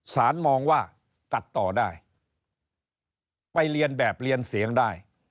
มองว่าตัดต่อได้ไปเรียนแบบเรียนเสียงได้